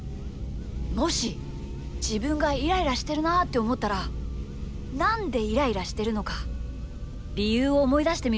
もしじぶんがイライラしてるなあっておもったらなんでイライラしてるのかりゆうをおもいだしてみるといいよ。